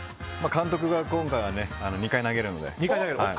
監督が今回は２回投げるので。